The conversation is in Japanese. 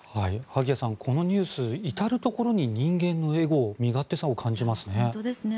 萩谷さん、このニュース至るところに人間のエゴ、身勝手さを感じますね。